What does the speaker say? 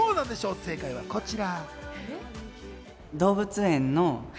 正解はこちら。